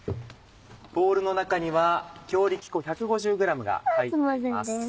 ボウルの中には強力粉１５０ｇが入っています。